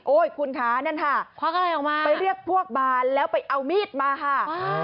โอ้ยคุณคะนั่นค่ะไปเรียกพวกบ้านแล้วไปเอามีดมาค่ะ